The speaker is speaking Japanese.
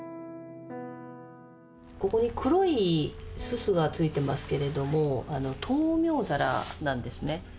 ここに黒い煤がついてますけれども灯明皿なんですね。